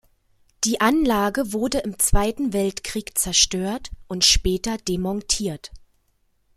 Die Anlage wurde im Zweiten Weltkrieg zerstört und später demontiert.